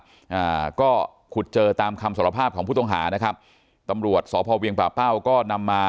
อ่าก็ขุดเจอตามคำสารภาพของผู้ต้องหานะครับตำรวจสพเวียงป่าเป้าก็นำมา